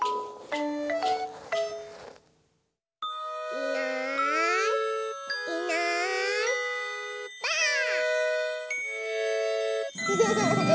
いないいないばあっ！